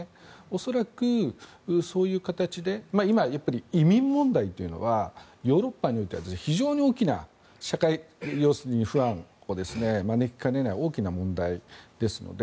恐らくそういう形で今、移民問題というのはヨーロッパにおいては非常に大きな社会不安を招きかねない大きな問題ですので